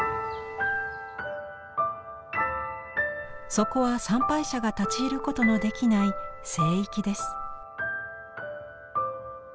そこは参拝者が立ち入ることのできない聖域です。